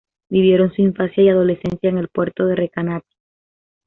Vivieron su infancia y adolescencia en el puerto de Recanati.